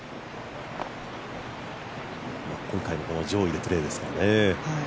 今回もこの上位でプレーですからね。